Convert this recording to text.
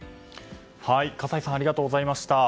葛西さんありがとうございました。